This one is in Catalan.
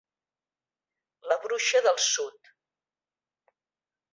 La Bruixa del Sud.